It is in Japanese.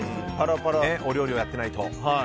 お料理をやっていないと。